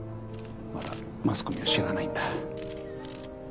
まだマスコミは知らないんだ。